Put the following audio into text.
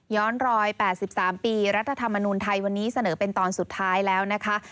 รอย๘๓ปีรัฐธรรมนุนไทยวันนี้เสนอเป็นตอนสุดท้ายแล้วนะคะ